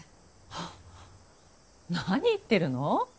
はあ何言ってるの？